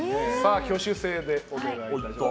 挙手制でお願いします。